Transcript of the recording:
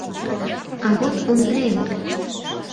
А вот Ондрем...